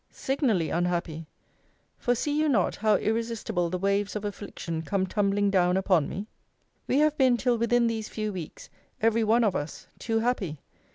signally unhappy! For see you not how irresistible the waves of affliction come tumbling down upon me? We have been till within these few weeks, every one of us, too happy.